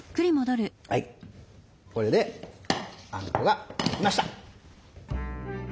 はいこれであんこができました。